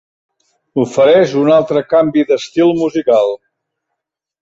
Ofereix un altre canvi d'estil musical.